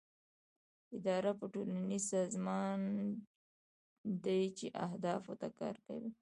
اداره یو ټولنیز سازمان دی چې اهدافو ته کار کوي.